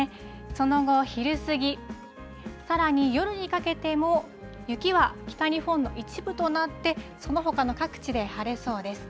その後、昼過ぎ、さらに夜にかけても、雪は北日本の一部となって、そのほかの各地で晴れそうです。